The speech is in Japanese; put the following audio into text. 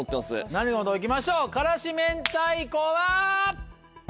なるほどいきましょう辛子明太子は？